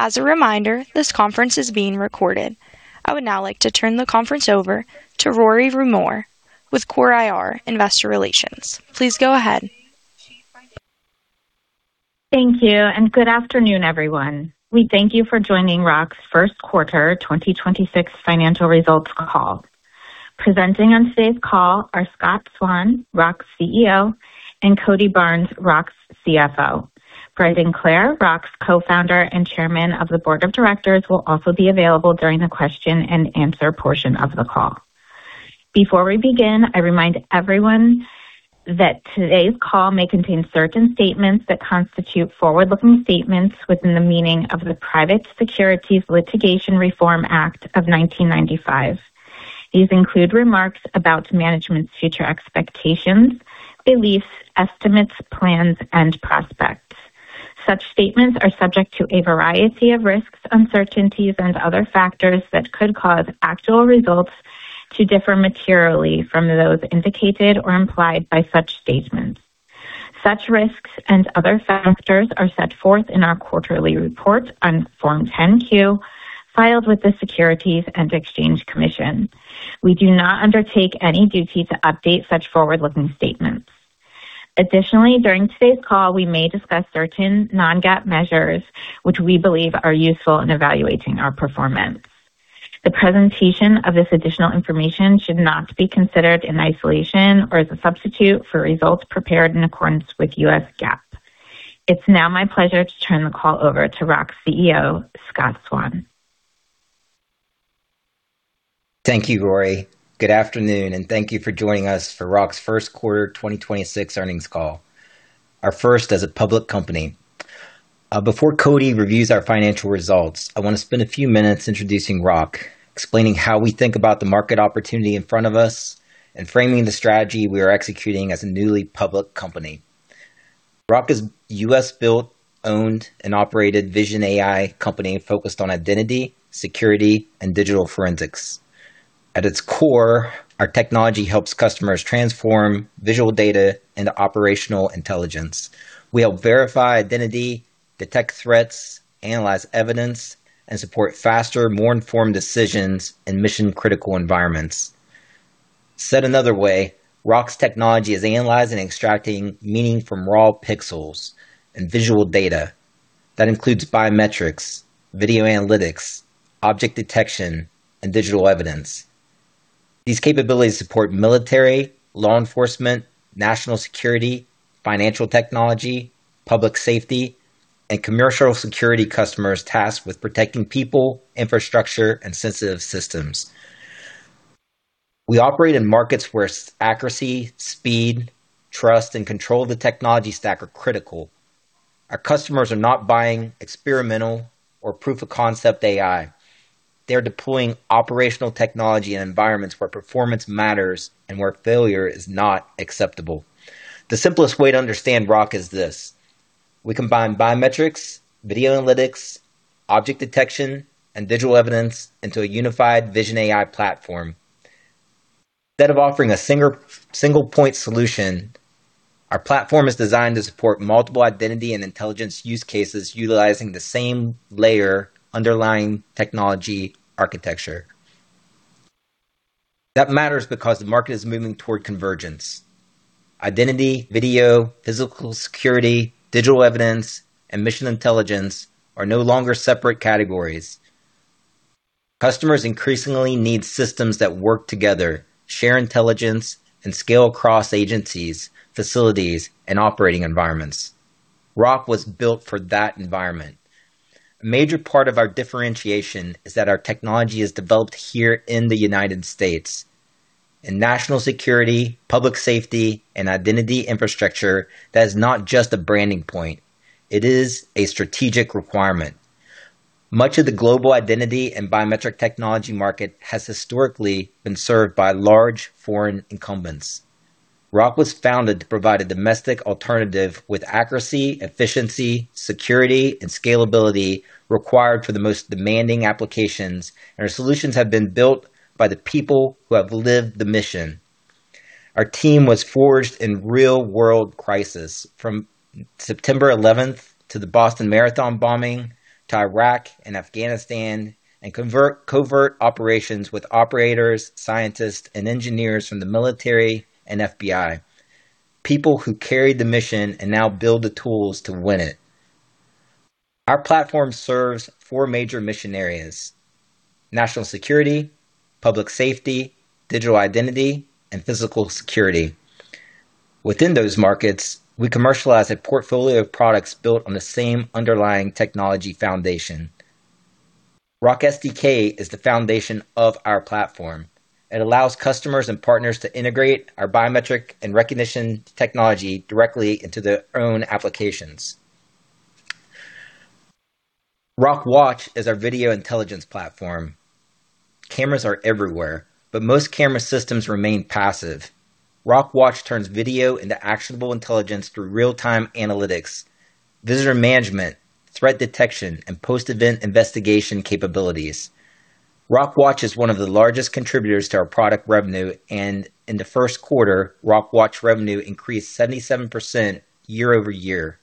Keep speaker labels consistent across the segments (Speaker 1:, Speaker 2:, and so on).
Speaker 1: As a reminder this conference is being recorded. I would now like to turn the conference over to Rory Rumore with CORE IR Investor Relations.
Speaker 2: Thank you and good afternoon, everyone. We thank you for joining ROC's first quarter 2026 financial results call. Presenting on today's call are Scott Swann, ROC's CEO, and Cody Barnes, ROC's CFO. Brendan Klare, ROC's Co-founder and Chairman of the Board of Directors, will also be available during the question-and-answer portion of the call. Before we begin, I remind everyone that today's call may contain certain statements that constitute forward-looking statements within the meaning of the Private Securities Litigation Reform Act of 1995. These include remarks about management's future expectations, beliefs, estimates, plans, and prospects. Such statements are subject to a variety of risks, uncertainties, and other factors that could cause actual results to differ materially from those indicated or implied by such statements. Such risks and other factors are set forth in our quarterly report on Form 10-Q filed with the Securities and Exchange Commission. We do not undertake any duty to update such forward-looking statements. During today's call, we may discuss certain non-GAAP measures which we believe are useful in evaluating our performance. The presentation of this additional information should not be considered in isolation or as a substitute for results prepared in accordance with U.S. GAAP. It's now my pleasure to turn the call over to ROC's CEO, Scott Swann.
Speaker 3: Thank you, Rory. Good afternoon, and thank you for joining us for ROC's first quarter 2026 earnings call, our first as a public company. Before Cody reviews our financial results, I want to spend a few minutes introducing ROC, explaining how we think about the market opportunity in front of us, and framing the strategy we are executing as a newly public company. ROC is U.S.-built, owned, and operated Vision AI company focused on identity, security, and digital forensics. At its core, our technology helps customers transform visual data into operational intelligence. We help verify identity, detect threats, analyze evidence, and support faster, more informed decisions in mission-critical environments. Said another way, ROC's technology is analyzing and extracting meaning from raw pixels and visual data. That includes biometrics, video analytics, object detection, and digital evidence. These capabilities support military, law enforcement, national security, financial technology, public safety, and commercial security customers tasked with protecting people, infrastructure, and sensitive systems. We operate in markets where accuracy, speed, trust, and control of the technology stack are critical. Our customers are not buying experimental or proof-of-concept AI. They're deploying operational technology in environments where performance matters and where failure is not acceptable. The simplest way to understand ROC is this: We combine biometrics, video analytics, object detection, and digital evidence into a unified Vision AI platform. Instead of offering a single point solution, our platform is designed to support multiple identity and intelligence use cases utilizing the same layer underlying technology architecture. That matters because the market is moving toward convergence. Identity, video, physical security, digital evidence, and mission intelligence are no longer separate categories. Customers increasingly need systems that work together, share intelligence, and scale across agencies, facilities, and operating environments. ROC was built for that environment. A major part of our differentiation is that our technology is developed here in the United States. In national security, public safety, and identity infrastructure, that is not just a branding point. It is a strategic requirement. Much of the global identity and biometric technology market has historically been served by large foreign incumbents. ROC was founded to provide a domestic alternative with accuracy, efficiency, security, and scalability required for the most demanding applications, and our solutions have been built by the people who have lived the mission. Our team was forged in real-world crisis, from September 11th to the Boston Marathon bombing to Iraq and Afghanistan, and covert operations with operators, scientists, and engineers from the military and FBI. People who carried the mission and now build the tools to win it. Our platform serves four major mission areas: national security, public safety, digital identity, and physical security. Within those markets, we commercialize a portfolio of products built on the same underlying technology foundation. ROC SDK is the foundation of our platform. It allows customers and partners to integrate our biometric and recognition technology directly into their own applications. ROC Watch is our video intelligence platform. Cameras are everywhere, but most camera systems remain passive. ROC Watch turns video into actionable intelligence through real-time analytics, visitor management, threat detection, and post-event investigation capabilities. ROC Watch is one of the largest contributors to our product revenue, and in the first quarter, ROC Watch revenue increased 77% year-over-year.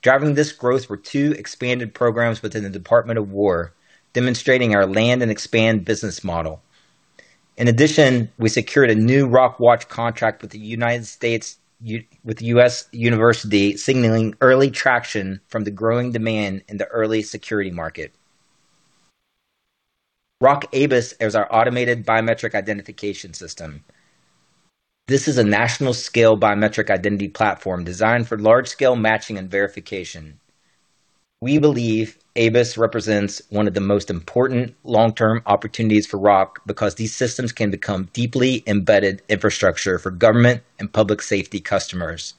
Speaker 3: Driving this growth were two expanded programs within the Department of War, demonstrating our land and expand business model. In addition, we secured a new ROC Watch contract with the U.S. University, signaling early traction from the growing demand in the early security market. ROC ABIS is our automated biometric identification system. This is a national-scale biometric identity platform designed for large-scale matching and verification. We believe ABIS represents one of the most important long-term opportunities for ROC because these systems can become deeply embedded infrastructure for government and public safety customers.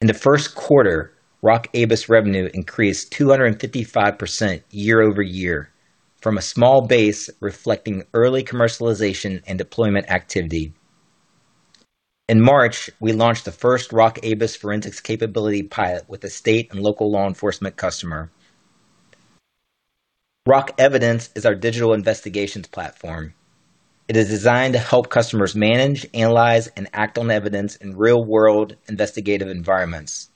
Speaker 3: In the first quarter, ROC ABIS revenue increased 255% year-over-year from a small base reflecting early commercialization and deployment activity. In March, we launched the first ROC ABIS forensics capability pilot with a state and local law enforcement customer. ROC Evidence is our digital investigations platform. It is designed to help customers manage, analyze, and act on evidence in real-world investigative environments.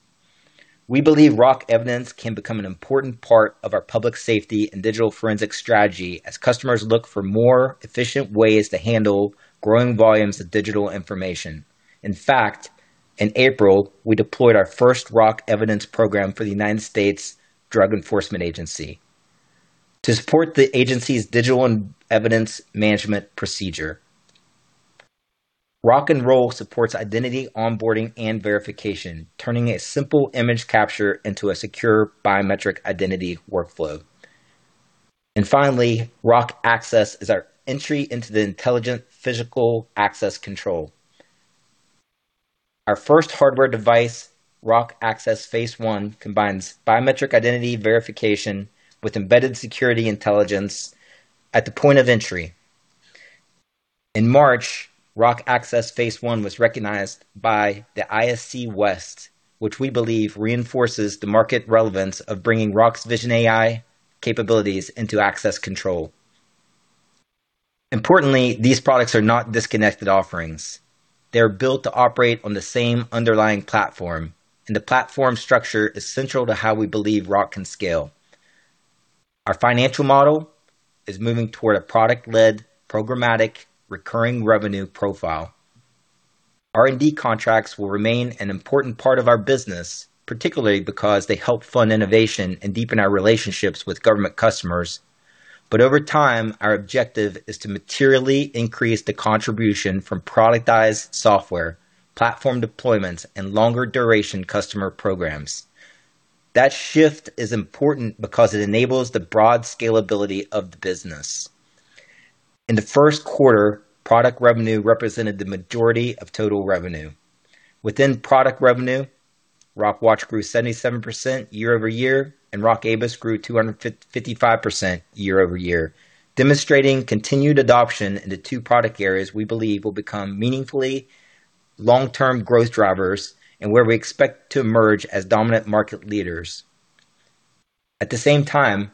Speaker 3: We believe ROC Evidence can become an important part of our public safety and digital forensics strategy as customers look for more efficient ways to handle growing volumes of digital information. In fact, in April, we deployed our first ROC Evidence program for the United States Drug Enforcement Administration to support the agency's digital and evidence management procedure. ROC Enroll supports identity onboarding and verification, turning a simple image capture into a secure biometric identity workflow. Finally, ROC Access is our entry into the intelligent physical access control. Our first hardware device, ROC Access Face1, combines biometric identity verification with embedded security intelligence at the point of entry. In March, ROC Access Face1 was recognized by the ISC West, which we believe reinforces the market relevance of bringing ROC's Vision AI capabilities into access control. Importantly, these products are not disconnected offerings. They're built to operate on the same underlying platform, and the platform structure is central to how we believe ROC can scale. Our financial model is moving toward a product-led, programmatic, recurring revenue profile. R&D contracts will remain an important part of our business, particularly because they help fund innovation and deepen our relationships with government customers. Over time, our objective is to materially increase the contribution from productized software, platform deployments, and longer duration customer programs. That shift is important because it enables the broad scalability of the business. In the first quarter, product revenue represented the majority of total revenue. Within product revenue, ROC Watch grew 77% year-over-year, and ROC ABIS grew 255% year-over-year, demonstrating continued adoption in the two product areas we believe will become meaningfully long-term growth drivers and where we expect to emerge as dominant market leaders. At the same time,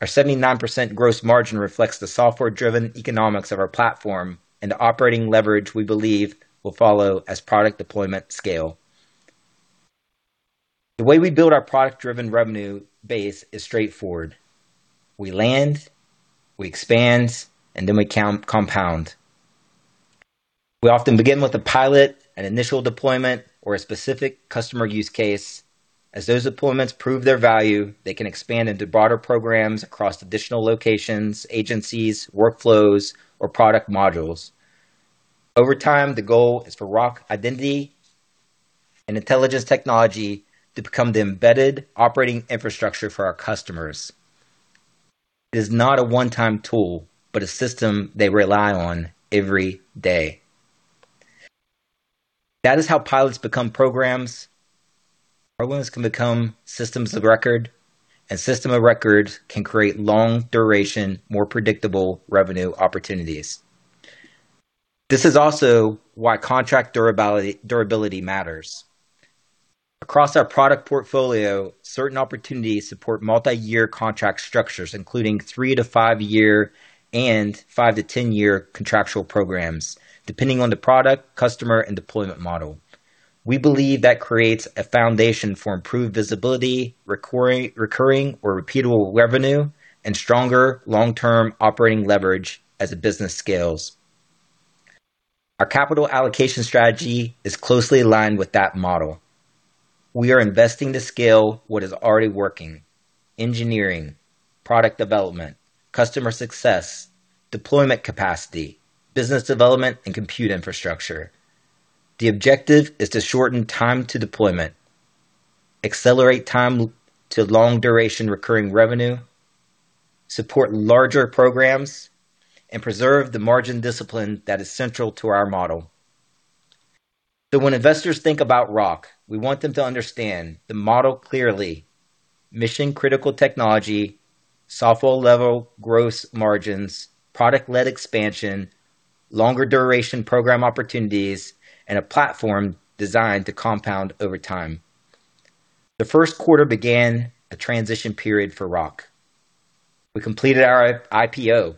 Speaker 3: our 79% gross margin reflects the software-driven economics of our platform and the operating leverage we believe will follow as product deployment scale. The way we build our product-driven revenue base is straightforward. We land, we expand, and then we count, compound. We often begin with a pilot, an initial deployment, or a specific customer use case. As those deployments prove their value, they can expand into broader programs across additional locations, agencies, workflows, or product modules. Over time, the goal is for ROC identity and intelligence technology to become the embedded operating infrastructure for our customers. It is not a one-time tool, but a system they rely on every day. That is how pilots become programs. Programs can become systems of record, and systems of record can create long-duration, more predictable revenue opportunities. This is also why contract durability matters. Across our product portfolio, certain opportunities support multiyear contract structures, including three-to-five year and five-to-10 year contractual programs, depending on the product, customer, and deployment model. We believe that creates a foundation for improved visibility, recurring or repeatable revenue, and stronger long-term operating leverage as the business scales. Our capital allocation strategy is closely aligned with that model. We are investing to scale what is already working: engineering, product development, customer success, deployment capacity, business development, and compute infrastructure. The objective is to shorten time to deployment, accelerate time to long-duration recurring revenue, support larger programs, and preserve the margin discipline that is central to our model. When investors think about ROC, we want them to understand the model clearly. Mission-critical technology, software-level gross margins, product-led expansion, longer duration program opportunities, and a platform designed to compound over time. The first quarter began a transition period for ROC. We completed our IPO,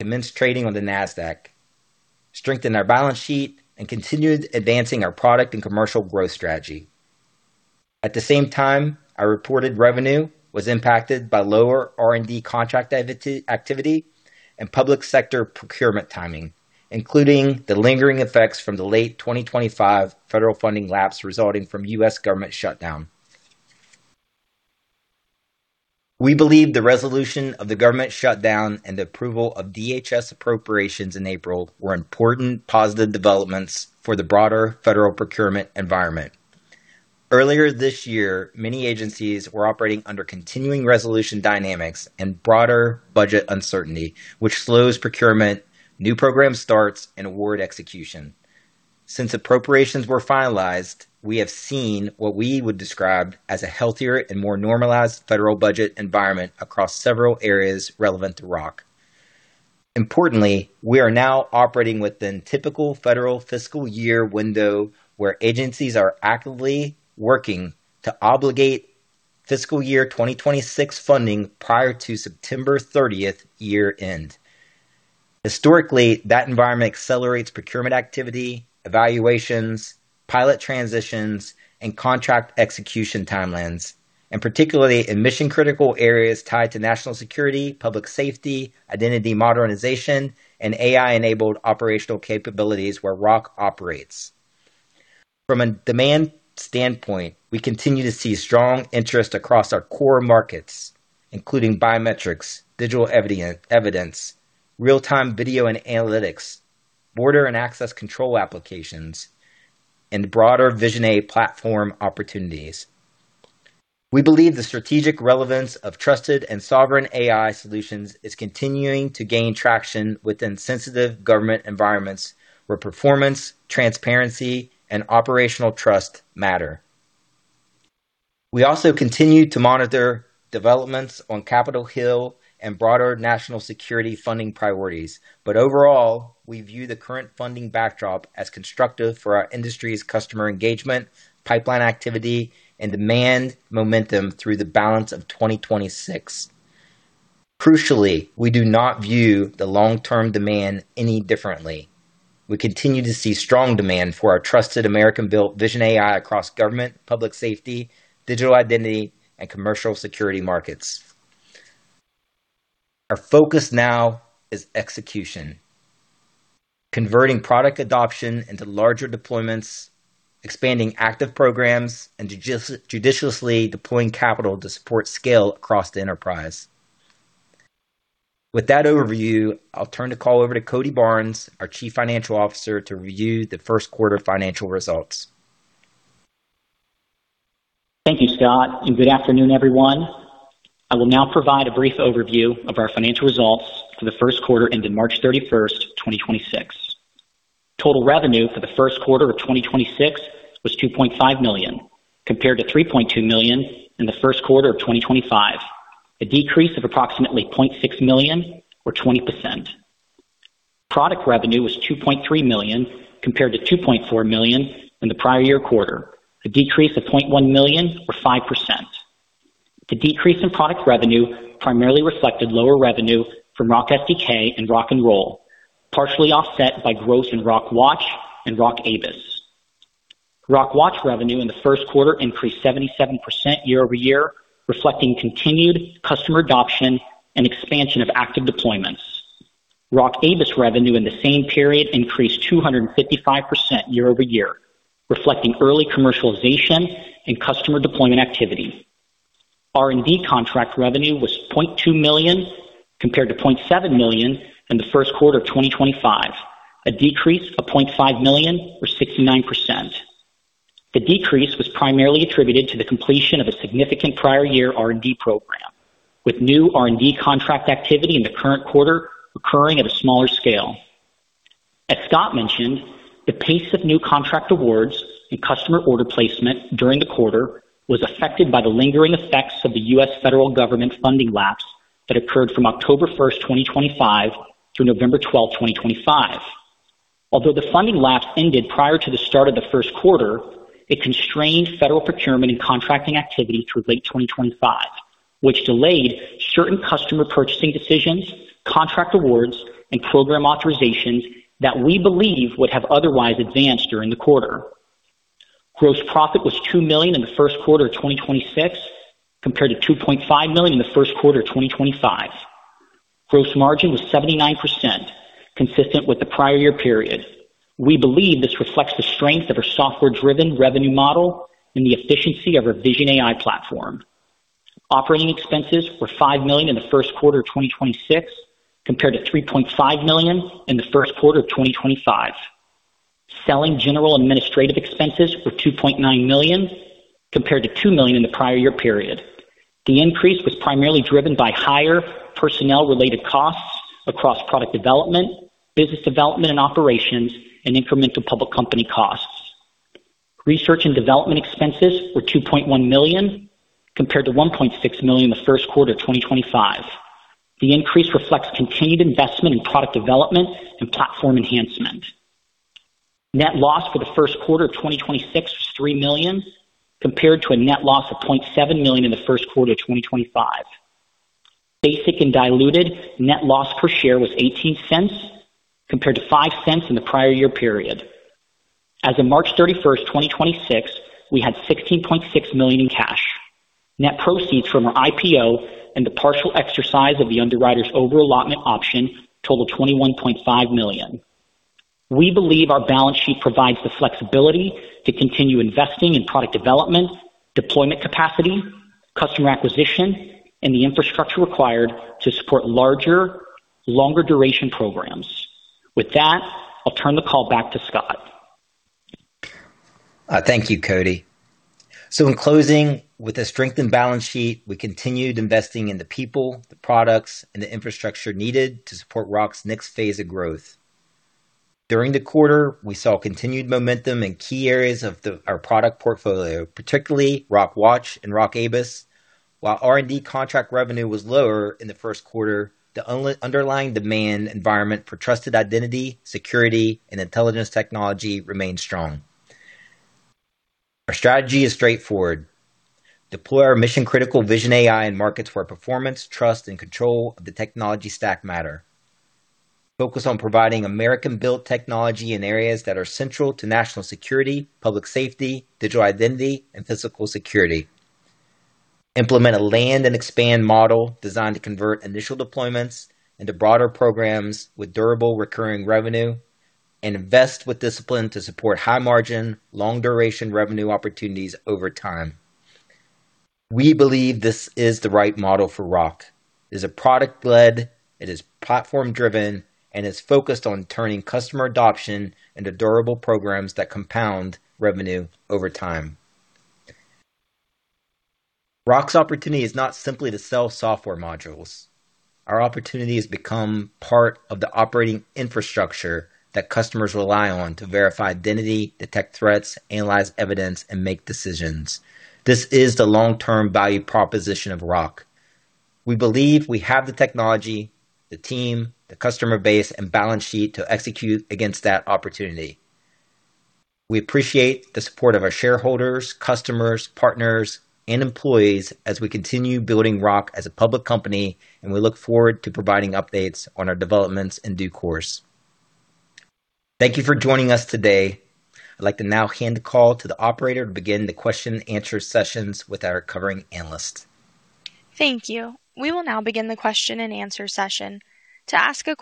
Speaker 3: commenced trading on the NASDAQ, strengthened our balance sheet, and continued advancing our product and commercial growth strategy. At the same time, our reported revenue was impacted by lower R&D contract activity and public sector procurement timing, including the lingering effects from the late 2025 federal funding lapse resulting from U.S. government shutdown. We believe the resolution of the government shutdown and the approval of DHS appropriations in April were important positive developments for the broader federal procurement environment. Earlier this year, many agencies were operating under continuing resolution dynamics and broader budget uncertainty, which slows procurement, new program starts, and award execution. Since appropriations were finalized, we have seen what we would describe as a healthier and more normalized federal budget environment across several areas relevant to ROC. Importantly, we are now operating within typical federal fiscal year window, where agencies are actively working to obligate fiscal year 2026 funding prior to September 30th year-end. Historically, that environment accelerates procurement activity, evaluations, pilot transitions, and contract execution timelines, and particularly in mission-critical areas tied to national security, public safety, identity modernization, and AI-enabled operational capabilities where ROC operates. From a demand standpoint, we continue to see strong interest across our core markets, including biometrics, digital evidence, real-time video and analytics, border and access control applications, and broader Vision AI platform opportunities. We believe the strategic relevance of trusted and sovereign AI solutions is continuing to gain traction within sensitive government environments where performance, transparency, and operational trust matter. We also continue to monitor developments on Capitol Hill and broader national security funding priorities. Overall, we view the current funding backdrop as constructive for our industry's customer engagement, pipeline activity, and demand momentum through the balance of 2026. Crucially, we do not view the long-term demand any differently. We continue to see strong demand for our trusted American-built Vision AI across government, public safety, digital identity, and commercial security markets. Our focus now is execution, converting product adoption into larger deployments, expanding active programs, and judiciously deploying capital to support scale across the enterprise. With that overview, I'll turn the call over to Cody Barnes, our Chief Financial Officer, to review the first quarter financial results.
Speaker 4: Thank you, Scott, and good afternoon, everyone. I will now provide a brief overview of our financial results for the first quarter ended March 31, 2026. Total revenue for the first quarter of 2026 was $2.5 million, compared to $3.2 million in the first quarter of 2025, a decrease of approximately $0.6 million or 20%. Product revenue was $2.3 million compared to $2.4 million in the prior year quarter, a decrease of $0.1 million or 5%. The decrease in product revenue primarily reflected lower revenue from ROC SDK and ROC Enroll, partially offset by growth in ROC Watch and ROC ABIS. ROC Watch revenue in the first quarter increased 77% year-over-year, reflecting continued customer adoption and expansion of active deployments. ROC ABIS revenue in the same period increased 255% year-over-year, reflecting early commercialization and customer deployment activity. R&D contract revenue was $0.2 million compared to $0.7 million in the first quarter of 2025, a decrease of $0.5 million or 69%. The decrease was primarily attributed to the completion of a significant prior year R&D program, with new R&D contract activity in the current quarter occurring at a smaller scale. As Scott Swann mentioned, the pace of new contract awards and customer order placement during the quarter was affected by the lingering effects of the U.S. Federal government funding lapse that occurred from October 1st, 2025 to November 12th, 2025. Although the funding lapse ended prior to the start of the first quarter, it constrained federal procurement and contracting activity through late 2025, which delayed certain customer purchasing decisions, contract awards, and program authorizations that we believe would have otherwise advanced during the quarter. Gross profit was $2 million in the first quarter of 2026 compared to $2.5 million in the first quarter of 2025. Gross margin was 79%, consistent with the prior year period. We believe this reflects the strength of our software-driven revenue model and the efficiency of our Vision AI platform. Operating expenses were $5 million in the first quarter of 2026 compared to $3.5 million in the first quarter of 2025. Selling general administrative expenses were $2.9 million compared to $2 million in the prior year period. The increase was primarily driven by higher personnel-related costs across product development, business development and operations, and incremental public company costs. Research and development expenses were $2.1 million compared to $1.6 million in the first quarter of 2025. The increase reflects continued investment in product development and platform enhancement. Net loss for the first quarter of 2026 was $3 million, compared to a net loss of $0.7 million in the first quarter of 2025. Basic and diluted net loss per share was $0.18, compared to $0.05 in the prior year period. As of March 31st, 2026, we had $16.6 million in cash. Net proceeds from our IPO and the partial exercise of the underwriter's overallotment option totaled $21.5 million. We believe our balance sheet provides the flexibility to continue investing in product development, deployment capacity, customer acquisition, and the infrastructure required to support larger, longer duration programs. With that, I'll turn the call back to Scott.
Speaker 3: Thank you, Cody. In closing, with a strengthened balance sheet, we continued investing in the people, the products, and the infrastructure needed to support ROC's next phase of growth. During the quarter, we saw continued momentum in key areas of our product portfolio, particularly ROC Watch and ROC ABIS. While R&D contract revenue was lower in the first quarter, the underlying demand environment for trusted identity, security, and intelligence technology remained strong. Our strategy is straightforward: deploy our mission-critical Vision AI in markets where performance, trust, and control of the technology stack matter. Focus on providing American-built technology in areas that are central to national security, public safety, digital identity, and physical security. Implement a land and expand model designed to convert initial deployments into broader programs with durable recurring revenue. Invest with discipline to support high margin, long duration revenue opportunities over time. We believe this is the right model for ROC. It is a product-led, it is platform-driven, and is focused on turning customer adoption into durable programs that compound revenue over time. ROC's opportunity is not simply to sell software modules. Our opportunity is to become part of the operating infrastructure that customers rely on to verify identity, detect threats, analyze evidence, and make decisions. This is the long-term value proposition of ROC. We believe we have the technology, the team, the customer base, and balance sheet to execute against that opportunity. We appreciate the support of our shareholders, customers, partners, and employees as we continue building ROC as a public company, and we look forward to providing updates on our developments in due course. Thank you for joining us today. I'd like to now hand the call to the operator to begin the question-and-answer sessions with our covering analysts.
Speaker 1: Thank you. We will now begin the question-and-answer session. The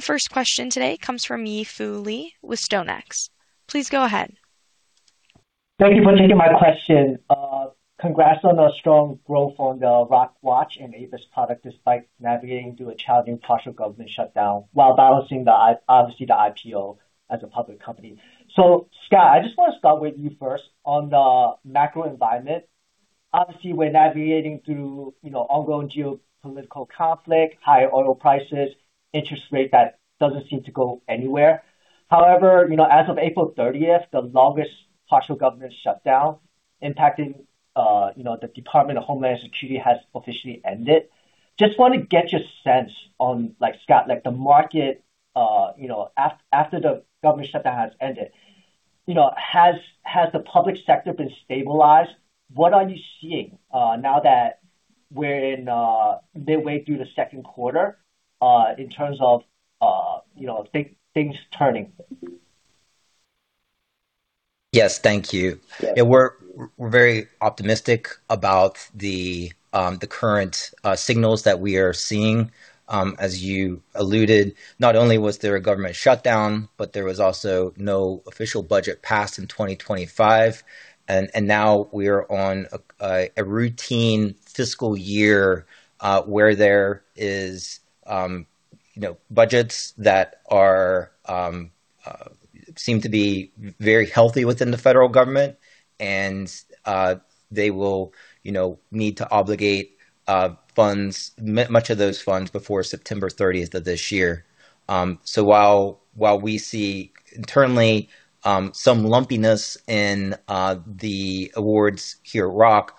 Speaker 1: first question today comes from Yi Fu Lee StoneX. Please go ahead.
Speaker 5: Thank you for taking my question. Congrats on the strong growth on the ROC Watch and ABIS product despite navigating through a challenging partial government shutdown while balancing obviously the IPO as a public company. Scott, I just wanna start with you first on the macro environment. Obviously, we're navigating through, you know, ongoing geopolitical conflict, higher oil prices, interest rate that doesn't seem to go anywhere. You know, as of April 30th, the longest partial government shutdown impacting, you know, the Department of Homeland Security has officially ended. Just wanna get your sense on, like Scott, like the market, you know, after the government shutdown has ended. You know, has the public sector been stabilized? What are you seeing, now that we're in midway through the second quarter, in terms of, you know, things turning?
Speaker 3: Yes, thank you.
Speaker 5: Yes.
Speaker 3: Yeah, we're very optimistic about the current signals that we are seeing. As you alluded, not only was there a government shutdown, but there was also no official budget passed in 2025. Now we are on a routine fiscal year, where there is, you know, budgets that are seem to be very healthy within the federal government. They will, you know, need to obligate funds, much of those funds before September 30th of this year. While we see internally, some lumpiness in the awards here at ROC,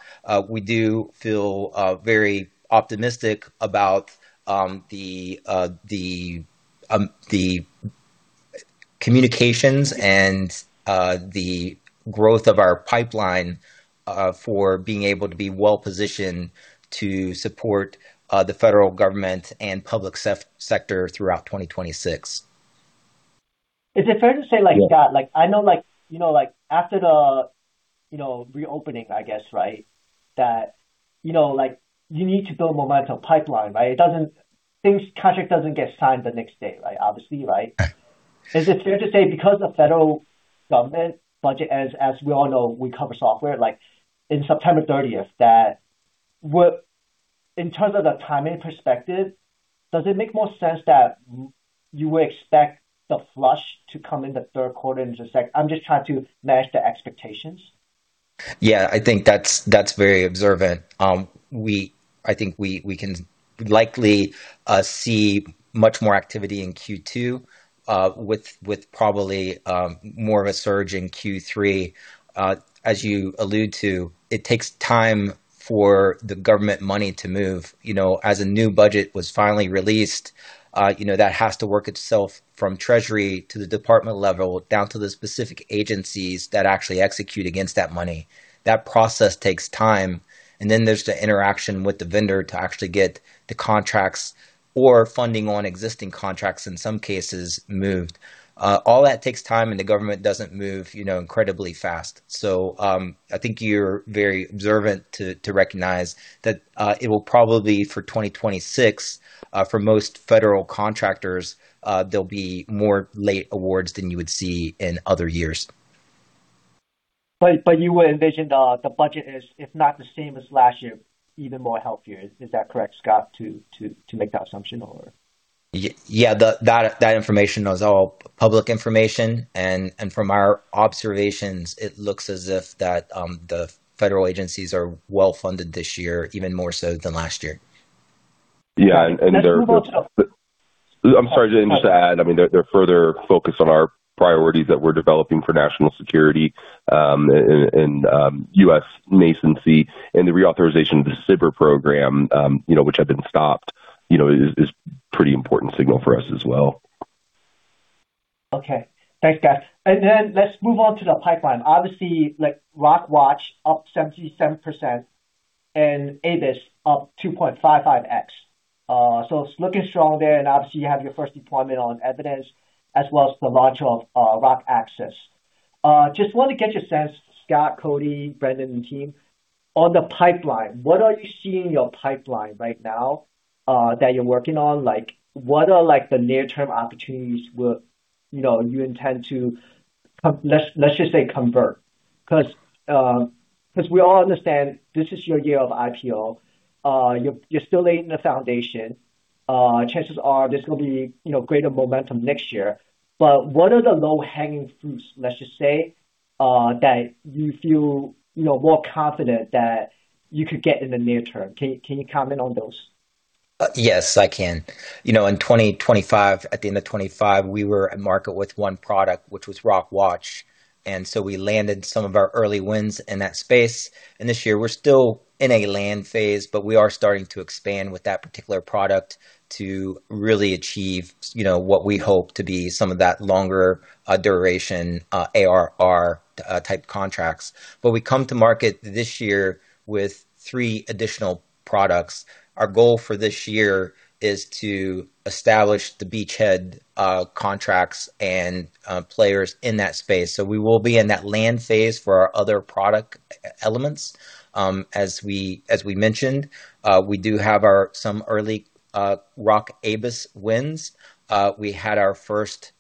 Speaker 3: we do feel very optimistic about the communications and the growth of our pipeline for being able to be well-positioned to support the federal government and public sector throughout 2026.
Speaker 5: Is it fair to say like, Scott, like I know like, you know, like after the, you know, reopening, I guess, right? That, you know, like you need to build momentum pipeline, right? contract doesn't get signed the next day, right? Obviously, right? Is it fair to say because the federal government budget, as we all know, we cover software, like in September 30th, that in terms of the timing perspective, does it make more sense that you would expect the flush to come in the third quarter in just a sec? I'm just trying to manage the expectations.
Speaker 3: I think that's very observant. I think we can likely see much more activity in Q2, with probably more of a surge in Q3. As you allude to, it takes time for the government money to move. You know, as a new budget was finally released, you know, that has to work itself from treasury to the department level, down to the specific agencies that actually execute against that money. That process takes time. Then there's the interaction with the vendor to actually get the contracts or funding on existing contracts, in some cases, moved. All that takes time, the government doesn't move, you know, incredibly fast. I think you're very observant to recognize that it will probably for 2026 for most federal contractors, there'll be more late awards than you would see in other years.
Speaker 5: You would envision the budget is, if not the same as last year, even more healthier. Is that correct, Scott, to make that assumption or?
Speaker 3: Yeah. That information is all public information, and from our observations, it looks as if that the federal agencies are well-funded this year, even more so than last year.
Speaker 6: Yeah.
Speaker 5: Let's move on to.
Speaker 6: I'm sorry, just to add, I mean, they're further focused on our priorities that we're developing for national security, and U.S. nascency and the reauthorization of the SBIR program, you know, which had been stopped, is pretty important signal for us as well.
Speaker 5: Okay. Thanks, guys. Let's move on to the pipeline. Obviously, like ROC Watch up 77% and ABIS up 2.55x. It's looking strong there, and obviously you have your first deployment on ROC Evidence as well as the launch of ROC Access. Just want to get your sense, Scott, Cody, Brendan, and team, on the pipeline. What are you seeing in your pipeline right now that you're working on? Like, what are like the near-term opportunities will, you know, you intend to let's just say convert? 'Cause, 'cause we all understand this is your year of IPO. You're still laying the foundation. Chances are there's gonna be, you know, greater momentum next year. What are the low-hanging fruits, let's just say, that you feel, you know, more confident that you could get in the near term? Can you comment on those?
Speaker 3: Yes, I can. You know, in 2025, at the end of 2025, we were at market with one product, which was ROC Watch, and so we landed some of our early wins in that space. This year we're still in a land phase, but we are starting to expand with that particular product to really achieve, you know, what we hope to be some of that longer duration ARR type contracts. We come to market this year with three additional products. Our goal for this year is to establish the beachhead contracts and players in that space. We will be in that land phase for our other product e-elements. As we mentioned, we do have some early ROC ABIS wins. We had our first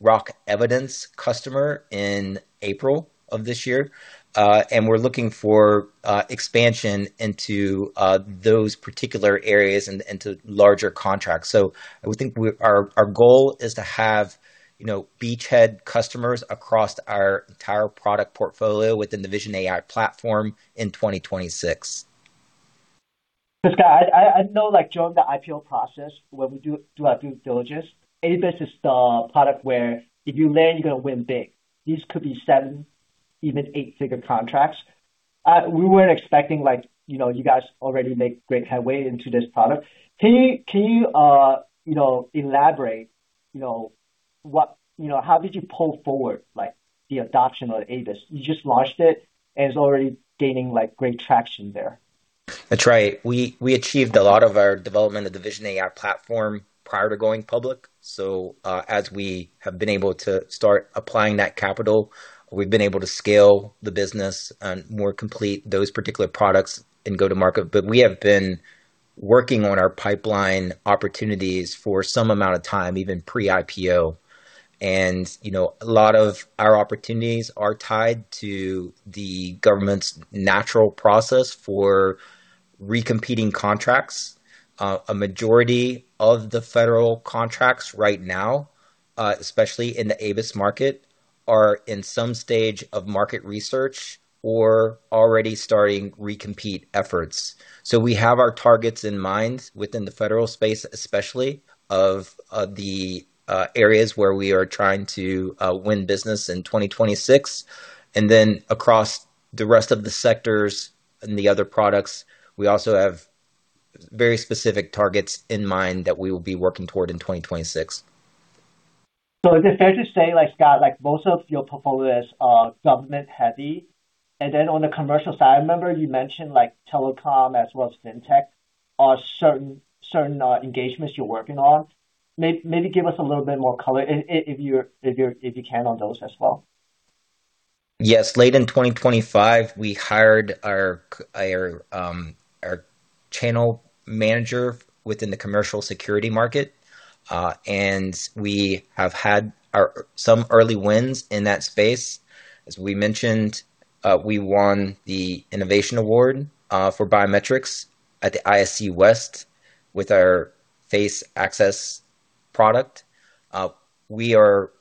Speaker 3: ROC Evidence customer in April of this year, and we're looking for expansion into those particular areas and to larger contracts. I would think our goal is to have, you know, beachhead customers across our entire product portfolio within the Vision AI platform in 2026.
Speaker 5: Scott, I know like during the IPO process when we do our due diligence, ABIS is the product where if you land, you're gonna win big. These could be seven, even eight-figure contracts. We weren't expecting like, you know, you guys already make great headway into this product. Can you know, elaborate, you know, how did you pull forward like the adoption of ABIS? You just launched it, and it's already gaining like great traction there.
Speaker 3: That's right. We achieved a lot of our development of the Vision AI platform prior to going public. As we have been able to start applying that capital, we've been able to scale the business and more complete those particular products and go to market. We have been working on our pipeline opportunities for some amount of time, even pre-IPO. You know, a lot of our opportunities are tied to the government's natural process for recompeting contracts. A majority of the federal contracts right now, especially in the ABIS market, are in some stage of market research or already starting recompete efforts. We have our targets in mind within the federal space, especially of the areas where we are trying to win business in 2026. Across the rest of the sectors and the other products, we also have very specific targets in mind that we will be working toward in 2026.
Speaker 5: Is it fair to say, like Scott, like most of your portfolio is government-heavy? On the commercial side, I remember you mentioned like telecom as well as fintech are certain engagements you're working on. Maybe give us a little bit more color if you can on those as well.
Speaker 3: Yes. Late in 2025, we hired our channel manager within the commercial security market, we have had some early wins in that space. As we mentioned, we won the innovation award for biometrics at the ISC West with our ROC Access Face1. We are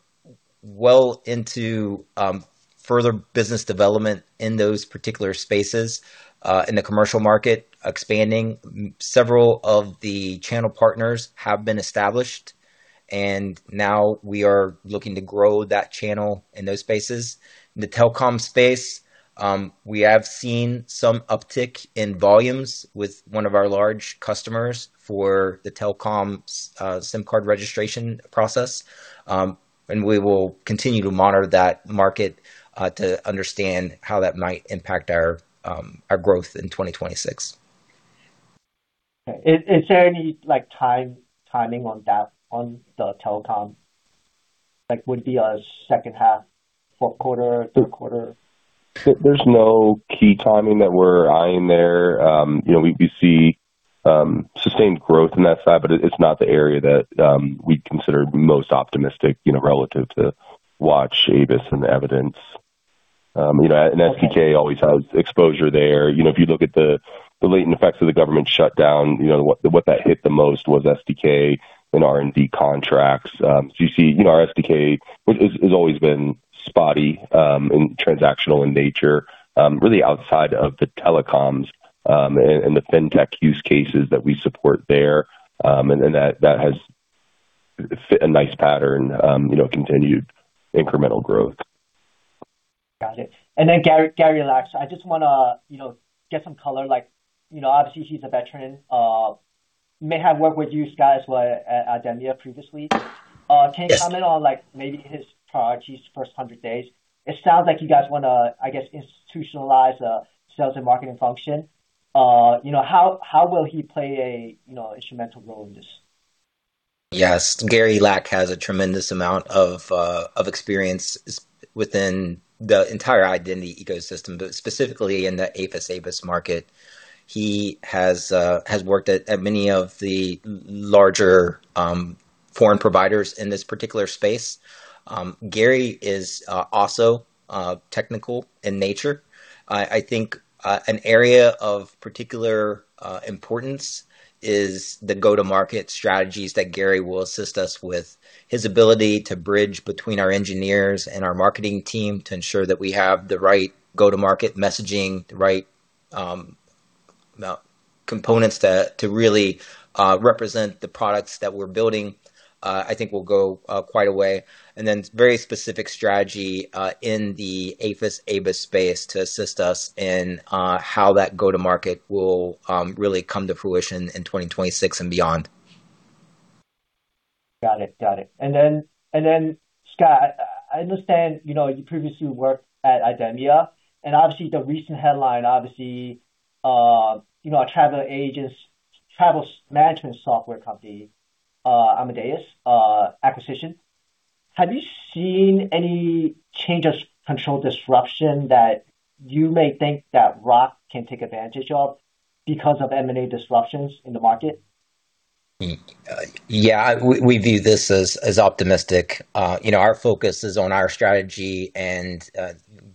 Speaker 3: well into further business development in those particular spaces. In the commercial market, expanding several of the channel partners have been established, now we are looking to grow that channel in those spaces. In the telecom space, we have seen some uptick in volumes with one of our large customers for the telecom SIM card registration process. We will continue to monitor that market to understand how that might impact our growth in 2026.
Speaker 5: Okay. Is there any, like, timing on that, on the telecom? Like, would it be a second half, fourth quarter, third quarter?
Speaker 6: There's no key timing that we're eyeing there. You know, we see sustained growth in that side, but it's not the area that we'd consider most optimistic, you know, relative to ROC Watch, ABIS and ROC Evidence. You know, ROC SDK always has exposure there. You know, if you look at the latent effects of the government shutdown, you know, what that hit the most was ROC SDK and R&D contracts. You see, you know, our ROC SDK has always been spotty, and transactional in nature, really outside of the telecoms, and the fintech use cases that we support there. That, that has fit a nice pattern, you know, continued incremental growth.
Speaker 5: Got it. Gary Lac. I just wanna, you know, get some color, like, you know, obviously he's a veteran, may have worked with you guys at IDEMIA previously.
Speaker 3: Yes.
Speaker 5: Can you comment on, like, maybe his priorities first 100 days? It sounds like you guys wanna, I guess, institutionalize a sales and marketing function. You know, how will he play a, you know, instrumental role in this?
Speaker 3: Yes. Gary Lac has a tremendous amount of experience within the entire identity ecosystem, but specifically in the AFIS, ABIS market. He has worked at many of the larger foreign providers in this particular space. Gary is also technical in nature. I think an area of particular importance is the go-to-market strategies that Gary will assist us with. His ability to bridge between our engineers and our marketing team to ensure that we have the right go-to-market messaging, the right components to really represent the products that we're building, I think will go quite a way. Very specific strategy in the AFIS, ABIS space to assist us in how that go-to-market will really come to fruition in 2026 and beyond.
Speaker 5: Got it. Scott, I understand, you know, you previously worked at IDEMIA, and obviously the recent headline, obviously, you know, a travel management software company, Amadeus, acquisition. Have you seen any change of control disruption that you may think that ROC can take advantage of because of M&A disruptions in the market?
Speaker 3: Yeah. We view this as optimistic. You know, our focus is on our strategy,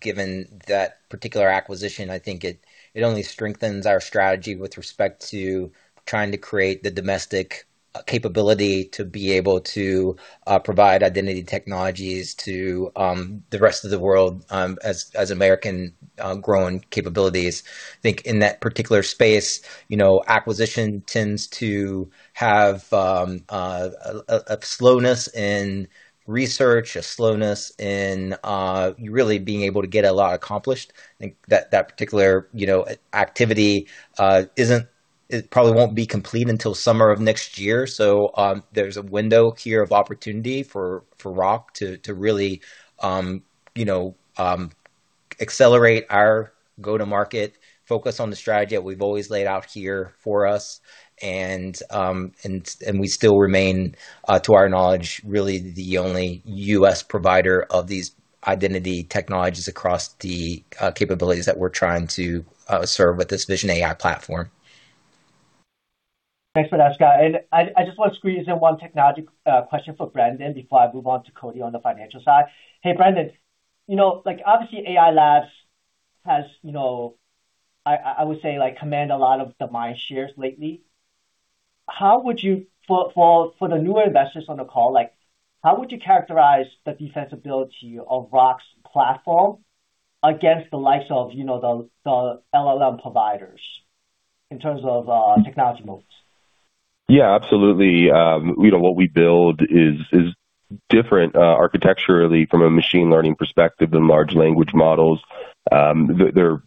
Speaker 3: given that particular acquisition, I think it only strengthens our strategy with respect to trying to create the domestic capability to be able to provide identity technologies to the rest of the world as American growing capabilities. I think in that particular space, you know, acquisition tends to have a slowness in research, a slowness in really being able to get a lot accomplished. I think that particular, you know, activity, it probably won't be complete until summer of next year. There's a window here of opportunity for ROC to really, you know, accelerate our go-to-market focus on the strategy that we've always laid out here for us. We still remain, to our knowledge, really the only U.S. provider of these identity technologies across the capabilities that we're trying to serve with this Vision AI platform.
Speaker 5: Thanks for that, Scott. I just want to squeeze in one technology question for Brendan before I move on to Cody on the financial side. Hey, Brendan, you know, like, obviously, AI Labs has, you know, I would say, like, command a lot of the mind shares lately. How would you for the newer investors on the call, like, how would you characterize the defensibility of ROC's platform against the likes of, you know, the LLM providers in terms of technology moves?
Speaker 6: Yeah, absolutely. You know, what we build is different architecturally from a machine learning perspective than large language models. They're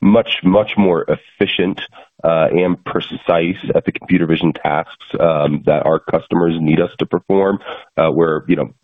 Speaker 6: much, much more efficient and precise at the computer vision tasks that our customers need us to perform, where, you know,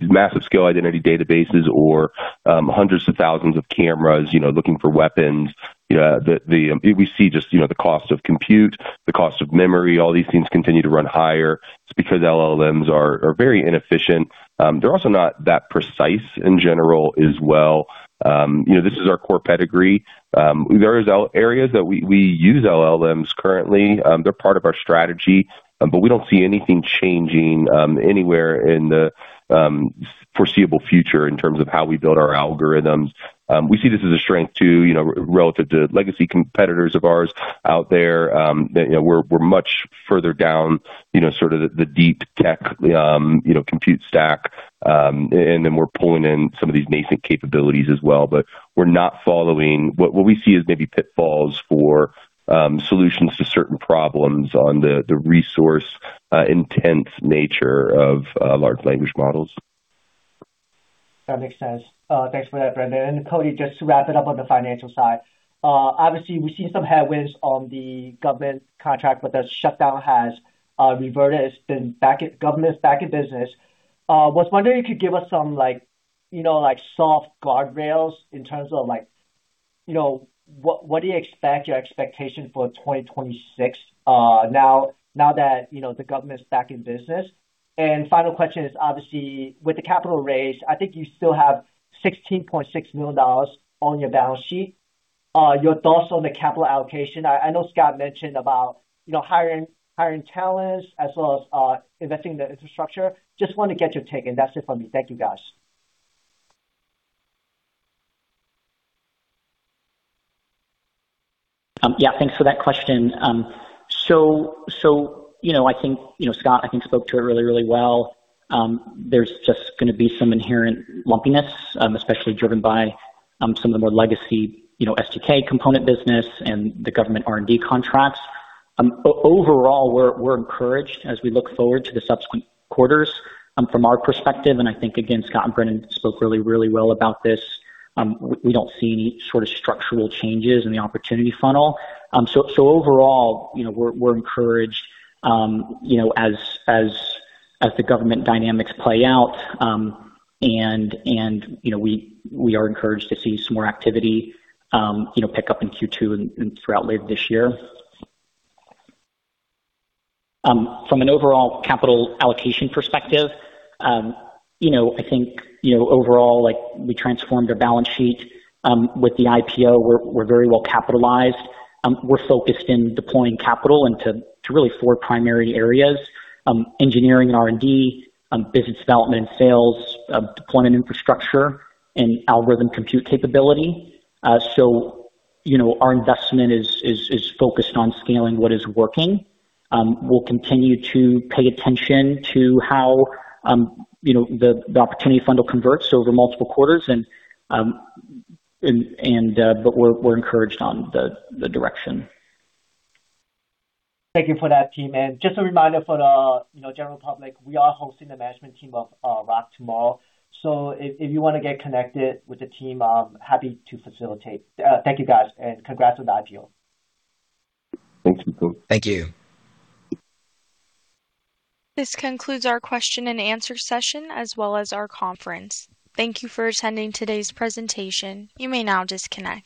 Speaker 6: massive scale identity databases or 100,000s of cameras, you know, looking for weapons. The, we see just, you know, the cost of compute, the cost of memory, all these things continue to run higher just because LLMs are very inefficient. They're also not that precise in general as well. You know, this is our core pedigree. There is areas that we use LLMs currently. They're part of our strategy, we don't see anything changing anywhere in the foreseeable future in terms of how we build our algorithms. We see this as a strength too, you know, relative to legacy competitors of ours out there. You know, we're much further down, you know, sort of the deep tech, you know, compute stack. And then we're pulling in some of these nascent capabilities as well, we're not following what we see as maybe pitfalls for solutions to certain problems on the resource-intense nature of large language models.
Speaker 5: That makes sense. Thanks for that, Brendan. Cody, just to wrap it up on the financial side, obviously we've seen some headwinds on the government contract, but the shutdown has reverted. It's been back in government's back in business. Was wondering if you could give us some, like, you know, like, soft guardrails in terms of, like, you know, what do you expect, your expectation for 2026, now that, you know, the government's back in business? Final question is obviously with the capital raise, I think you still have $16.6 million on your balance sheet. Your thoughts on the capital allocation. I know Scott mentioned about, you know, hiring talents as well as investing in the infrastructure. Just want to get your take, that's it for me. Thank you, guys.
Speaker 4: Yeah, thanks for that question. You know, I think, you know, Scott, I think spoke to it really, really well. There's just gonna be some inherent lumpiness, especially driven by some of the more legacy, you know, SDK component business and the government R&D contracts. Overall, we're encouraged as we look forward to the subsequent quarters, from our perspective, and I think again, Scott and Brendan spoke really, really well about this. We don't see any sort of structural changes in the opportunity funnel. Overall, you know, we're encouraged, you know, as the government dynamics play out. You know, we are encouraged to see some more activity, you know, pick up in Q2 and throughout later this year. From an overall capital allocation perspective, I think overall we transformed our balance sheet with the IPO. We're very well capitalized. We're focused in deploying capital into really four primary areas, engineering R&D, business development and sales, deployment infrastructure and algorithm compute capability. Our investment is focused on scaling what is working. We'll continue to pay attention to how the opportunity funnel converts over multiple quarters, and we're encouraged on the direction.
Speaker 5: Thank you for that, team. Just a reminder for the, you know, general public, we are hosting the management team of ROC tomorrow. If you wanna get connected with the team, I'm happy to facilitate. Thank you guys, congrats on the IPO.
Speaker 6: Thank you.
Speaker 4: Thank you.
Speaker 1: This concludes our question-and-answer session as well as our conference. Thank you for attending today's presentation. You may now disconnect.